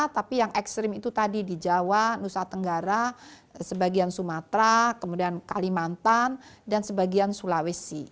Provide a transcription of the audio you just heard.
tapi yang ekstrim itu tadi di jawa nusa tenggara sebagian sumatera kemudian kalimantan dan sebagian sulawesi